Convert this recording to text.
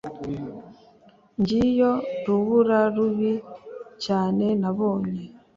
ngiyo rubura rubi cyane nabonye